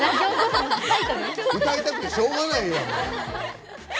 歌いたくてしょうがないやん！